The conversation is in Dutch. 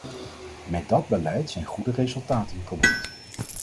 Met dat beleid zijn goede resultaten geboekt.